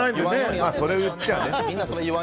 それを言っちゃあね。